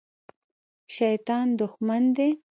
شیطان دښمن دی